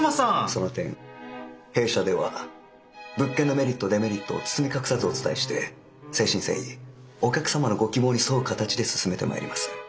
その点弊社では物件のメリットデメリットを包み隠さずお伝えして誠心誠意お客様のご希望に添う形で進めてまいります。